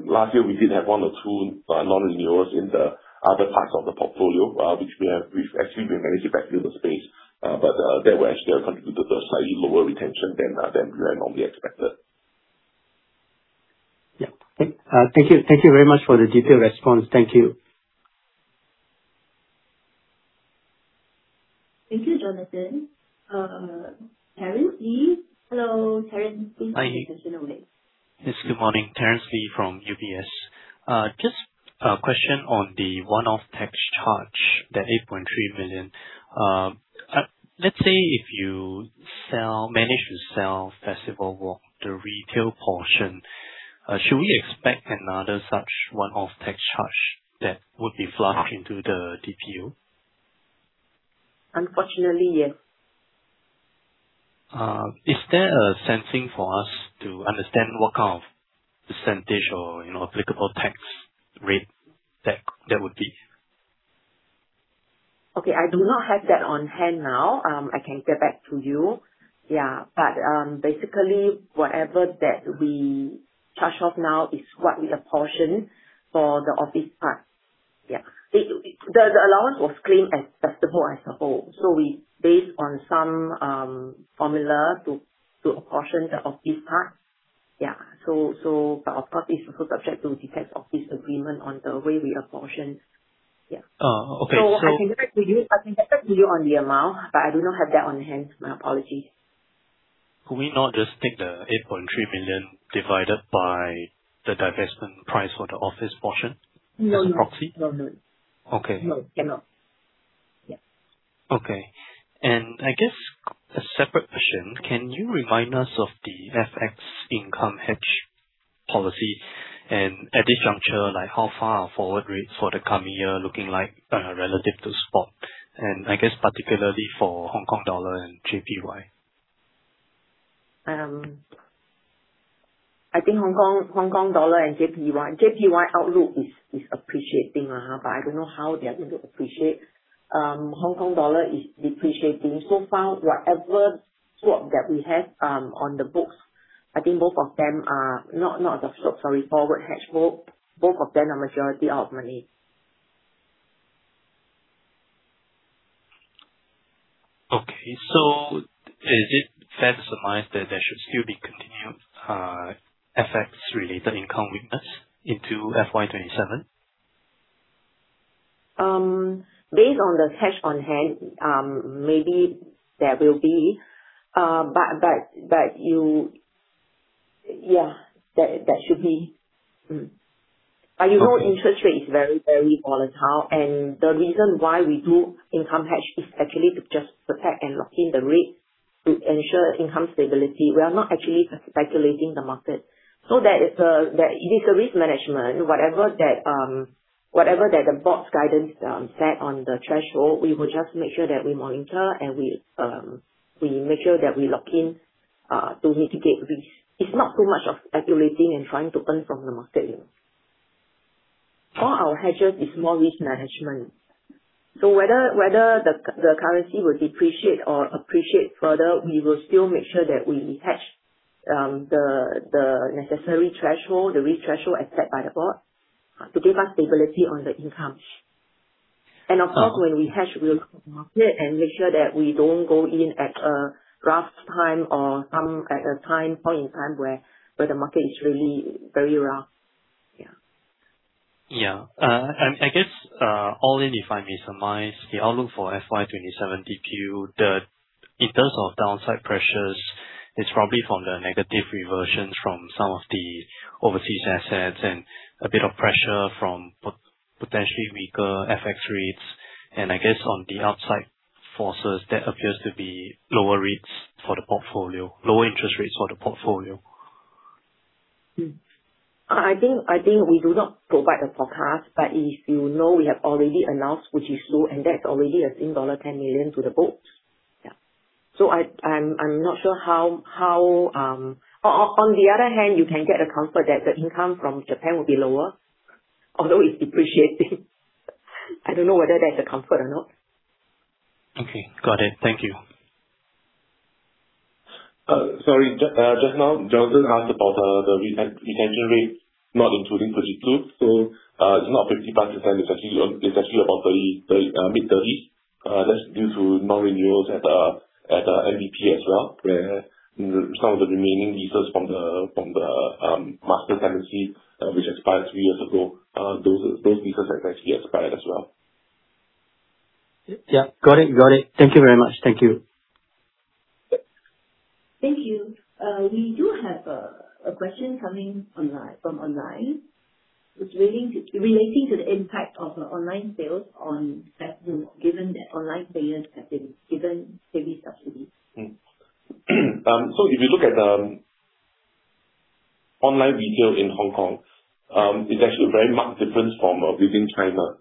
last year we did have one or two non-renewals in the other parts of the portfolio, which we've actually been managed to backfill the space, but that will actually contribute to the slightly lower retention than than we had normally expected. Yeah. Thank you very much for the detailed response. Thank you. Thank you, Jonathan. Terence Lee. Hello, Terence. Please state your surname. Yes, good morning. Terence Lee from UBS. Just a question on the one-off tax charge, the 8.3 million. Let's say if you sell, manage to sell Festival Walk, the retail portion, should we expect another such one-off tax charge that would be flushed into the DPU? Unfortunately, yes. Is there a sensing for us to understand what kind of percentage or, you know, applicable tax rate that would be? Okay. I do not have that on hand now. I can get back to you. Basically, whatever that we charge off now is slightly a portion for the office part. Yeah. The allowance was claimed as Festival as a whole. We based on some formula to apportion the office part. Yeah. Of course, it's also subject to the tax office agreement on the way we apportion. Yeah. Oh, okay. I can get back to you on the amount, but I do not have that on hand, my apologies. Could we not just take the 8.3 million divided by the divestment price for the office portion. No, no. -as a proxy? No, no. Okay. No, cannot. Yeah. Okay. I guess a separate question, can you remind us of the FX income hedge policy and at this juncture, like how far are forward rates for the coming year looking like, relative to spot? I guess particularly for Hong Kong dollar and JPY. I think Hong Kong dollar and JPY outlook is appreciating. I don't know how they are going to appreciate. Hong Kong dollar is depreciating. So far, whatever swap that we have on the books, I think both of them are not the swap, sorry, forward hedge. Both of them are majority out of money. Okay. Is it fair to surmise that there should still be continued FX related income with us into FY 2027? Based on the cash on hand, maybe there will be. You Yeah, that should be. Okay. You know, interest rate is very volatile. The reason why we do income hedge is actually to just protect and lock in the rates to ensure income stability. We are not actually speculating the market. That is, that it is a risk management. Whatever that the board's guidance, set on the threshold, we will just make sure that we monitor and we make sure that we lock in, to mitigate risk. It's not too much of speculating and trying to earn from the market. All our hedges is more risk management. Whether the currency will depreciate or appreciate further, we will still make sure that we hedge, the necessary threshold, the risk threshold as set by the board, to give us stability on the income. Uh- Of course, when we hedge, we look at the market and make sure that we don't go in at a rough time or a point in time where the market is really very rough. Yeah. I guess, all in, if I may surmise, the outlook for FY 2027 DPU. In terms of downside pressures, it's probably from the negative reversions from some of the overseas assets and a bit of pressure from potentially weaker FX rates. I guess on the upside forces, that appears to be lower rates for the portfolio, lower interest rates for the portfolio. I think we do not provide a forecast, but if you know, we have already announced, which is slow, and that's already a dollar 10 million to the books. Yeah. I'm not sure how. On the other hand, you can get a comfort that the income from Japan will be lower, although it's depreciating. I don't know whether that's a comfort or not. Okay. Got it. Thank you. Sorry. Just now, Jonathan asked about the retention rate, not including Fujitsu. It's not 55%. It's actually about mid-30s. That's due to non-renewals at MBP as well, where some of the remaining leases from the master tenancy, which expired 3 years ago, those leases have actually expired as well. Yeah. Got it. Got it. Thank you very much. Thank you. Yep. Thank you. We do have a question coming online, from online. It's relating to the impact of online sales on revenue, given that online players have been given heavy subsidies. If you look at online retail in Hong Kong, it's actually a very marked difference from within China.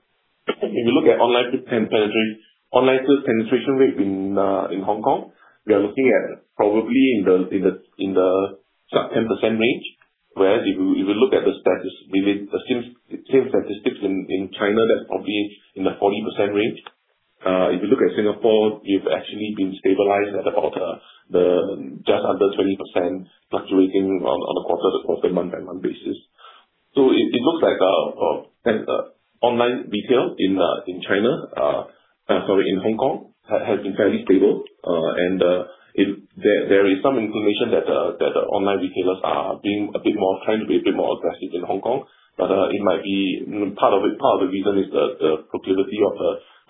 If you look at online sales penetration rate in Hong Kong, we are looking at probably in the 10% range. Whereas if you look at the same statistics in China, that's probably in the 40% range. If you look at Singapore, it's actually been stabilized at about just under 20% fluctuating on a quarter-to-quarter, month-by-month basis. It looks like online retail in China, sorry, in Hong Kong has been fairly stable. It, there is some inclination that the online retailers are being a bit more trendy, a bit more aggressive in Hong Kong. It might be, part of the reason is the proclivity of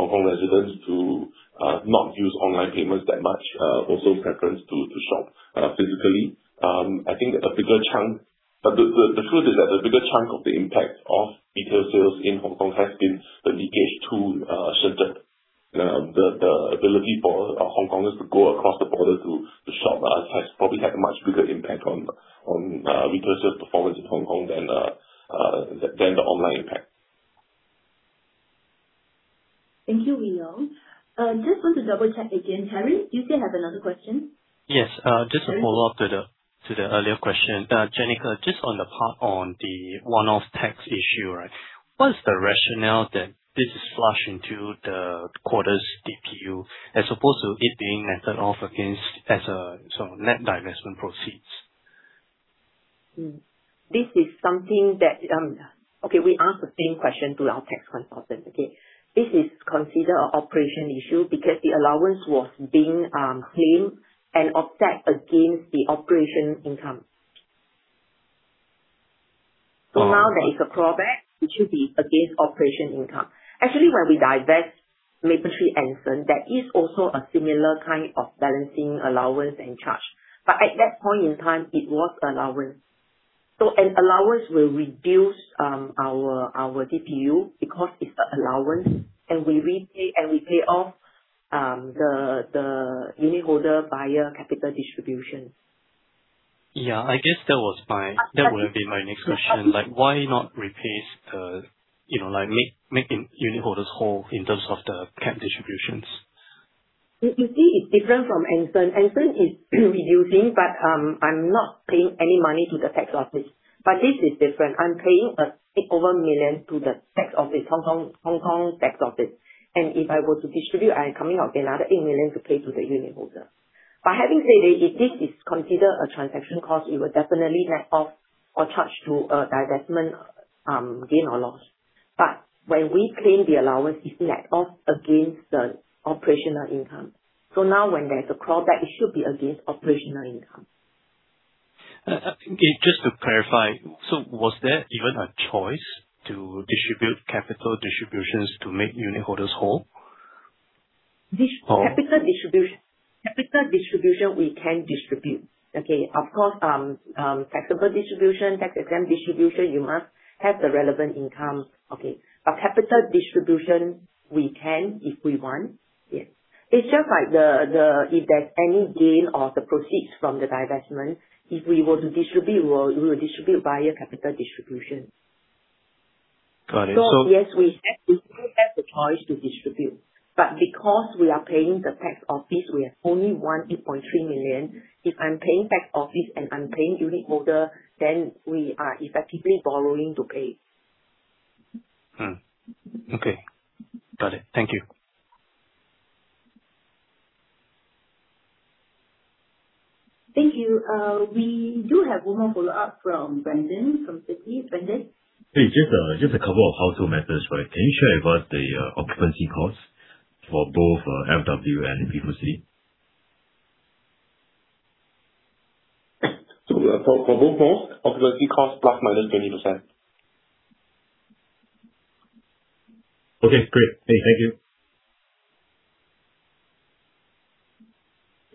Hong Kong residents to not use online payments that much, also preference to shop physically. The truth is that the bigger chunk of the impact of retail sales in Hong Kong has been the leakage to Shenzhen. The ability for Hong Kongers to go across the border to shop has probably had a much bigger impact on retailers' performance in Hong Kong than the online impact. Thank you, Koh Wee Leong. Just want to double-check again. Harry, do you still have another question? Yes. just a follow-up to the earlier question. Janica, just on the part on the one-off tax issue, right? What is the rationale that this is slashed into the quarter's DPU as opposed to it being netted off against as a sort of net divestment proceeds? This is something that, we ask the same question to our tax consultant, okay? This is considered a operation issue because the allowance was being claimed and offset against the operation income. Now there is a fallback which should be against operation income. Actually, when we divest Mapletree Anson, there is also a similar kind of balancing allowance and charge. At that point in time it was allowance. An allowance will reduce our DPU because it's an allowance and we pay off the unitholder via capital distribution. Yeah, I guess that would have been my next question. Like, why not replace the, you know, like, make unitholders whole in terms of the cap distributions? You see it's different from Anson. Anson is reducing, but I'm not paying any money to the tax office. This is different. I'm paying a bit over 1 million to the tax office, Hong Kong tax office. If I were to distribute, I am coming out another 8 million to pay to the unitholder. By having said that, if this is considered a transaction cost, it would definitely net off or charged to a divestment gain or loss. When we claim the allowance, it's net off against the operational income. Now when there's a callback, it should be against operational income. Just to clarify, was there even a choice to distribute capital distributions to make unitholders whole? Capital distribution we can distribute, okay. Of course, taxable distribution, tax-exempt distribution, you must have the relevant income. Okay. Capital distribution we can if we want. Yes. It's just like if there's any gain or the proceeds from the divestment, if we were to distribute, we will distribute via capital distribution. Got it. Yes, we do have the choice to distribute. Because we are paying the tax office, we have only 1.3 million. If I'm paying tax office and I'm paying unitholder, then we are effectively borrowing to pay. Okay. Got it. Thank you. Thank you. We do have one more follow-up from Brandon, from Citigroup. Brandon. Hey, just a couple of household matters, right? Can you share with us the occupancy costs for both FW and MBC? For both malls, occupancy cost ±20%. Okay, great. Okay, thank you.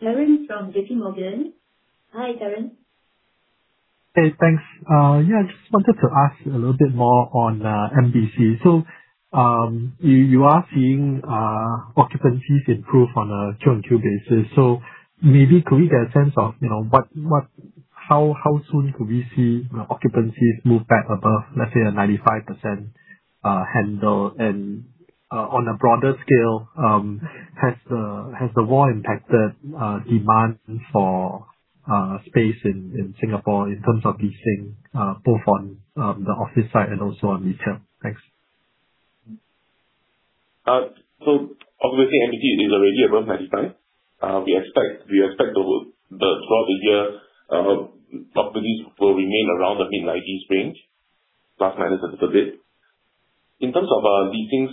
Terence from JPMorgan. Hi, Terence. Hey, thanks. Yeah, I just wanted to ask a little bit more on MBC. You are seeing occupancies improve on a Q-on-Q basis. Maybe could we get a sense of, you know, how soon could we see occupancies move back above, let's say a 95% handle? On a broader scale, has the war impacted demand for space in Singapore in terms of leasing, both on the office side and also on retail? Thanks. Obviously MBC is already above 95%. We expect throughout the year, occupancies will remain around the mid-nineties range, plus minus a little bit. In terms of leasings,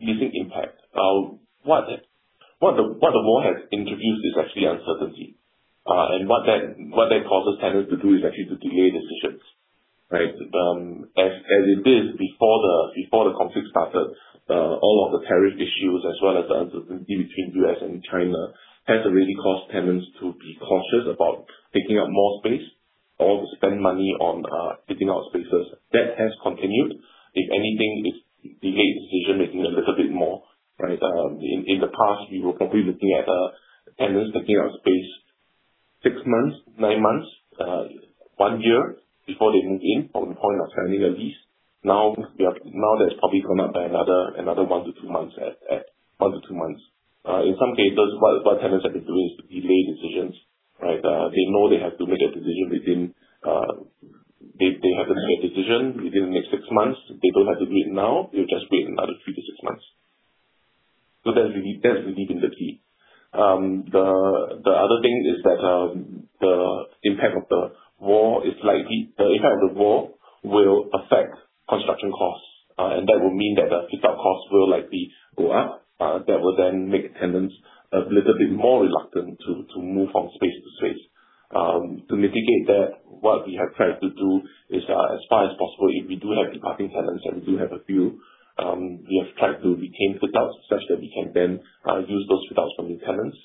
leasing impact, what the war has introduced is actually uncertainty. What that causes tenants to do is actually to delay decisions, right? As it is before the conflict started, all of the tariff issues, as well as the uncertainty between U.S. and China, has already caused tenants to be cautious about taking up more space or to spend money on taking out spaces. That has continued. If anything, it's delayed decision-making a little bit more, right? In the past you were probably looking at tenants taking up space 6 months, 9 months, 1 year before they moved in from the point of signing a lease. Now, that's probably gone up by another 1-2 months, at 1-2 months. In some cases what tenants have been doing is to delay decisions, right? They know they have to make a decision within, they have to make a decision within the next 6 months. They don't have to do it now. They'll just wait another 3-6 months. That's really been the key. The other thing is that the impact of the war will affect construction costs, that will mean that the fit-out costs will likely go up. That will then make tenants a little bit more reluctant to move from space to space. To mitigate that, what we have tried to do is, as far as possible, if we do have departing tenants, and we do have a few, we have tried to retain fit-outs such that we can then, use those fit-outs for new tenants.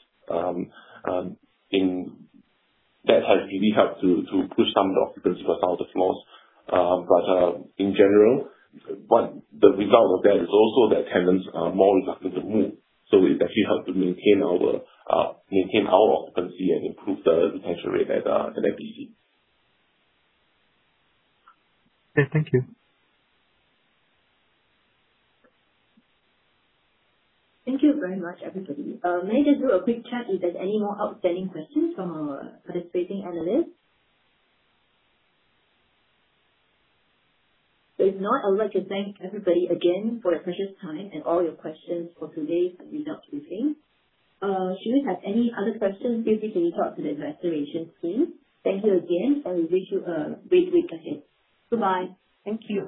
That has really helped to push some of the occupancy across all the floors. In general, what the result of that is also that tenants are more reluctant to move. It actually helped to maintain our occupancy and improve the retention rate at MBC. Okay, thank you. Thank you very much, everybody. May I just do a quick check if there's any more outstanding questions from our participating analysts? If not, I would like to thank everybody again for your precious time and all your questions for today's results briefing. Should you have any other questions, please reach out to the investor relations team. Thank you again, and we wish you a great week ahead. Goodbye. Thank you.